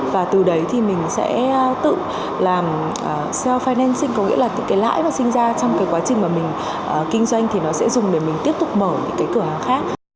và từ đấy thì mình sẽ tự làm sao finance có nghĩa là những cái lãi mà sinh ra trong cái quá trình mà mình kinh doanh thì nó sẽ dùng để mình tiếp tục mở những cái cửa hàng khác